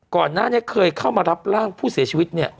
ก่อนหน้านี้เคยเข้ามารับร่างผู้เสียชีวิตเนี่ย